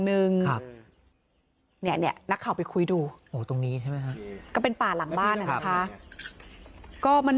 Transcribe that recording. นึงนักข่าวไปคุยดูตรงนี้ก็เป็นป่าหลังบ้านนะคะก็มัน